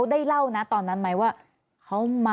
แต่ได้ยินจากคนอื่นแต่ได้ยินจากคนอื่น